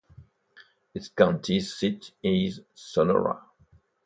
Its county seat is Sonora.